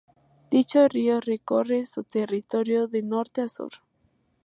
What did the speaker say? Dicho río recorre su territorio de norte a sur.